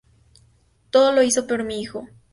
Todo lo hice por mi hijo.